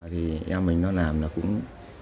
thì em mình nó làm là cũng